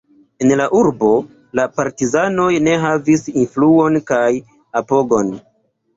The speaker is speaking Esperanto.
En la urboj la partizanoj ne havis influon kaj apogon.